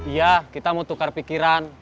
iya kita mau tukar pikiran